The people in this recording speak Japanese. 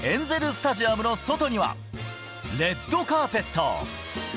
スタジアムの外には、レッドカーペット。